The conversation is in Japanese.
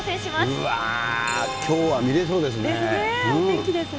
うわー、きょうは見れそうでですね。